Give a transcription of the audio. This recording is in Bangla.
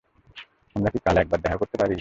আমরা কি কাল একবার দেখা করতে পারি?